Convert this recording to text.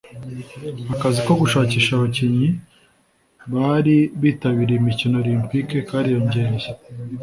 Akazi ko gushakisha abakinnyi bari bitabiriye imikino Olympique kariyongereye